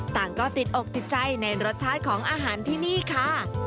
ต่างก็ติดอกติดใจในรสชาติของอาหารที่นี่ค่ะ